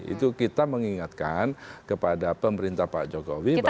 itu kita mengingatkan kepada pemerintah pak jokowi